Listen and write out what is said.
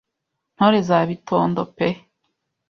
Ntore za Bitondo pe